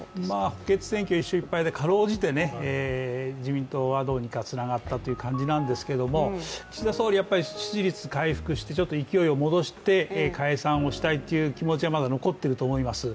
補欠選挙は１勝１敗でかろうじて自民党はなんとかつながったという感じなんですけども岸田総理、支持率回復してちょっと勢いを戻して解散をしたいという気持ちはまだ残っていると思います。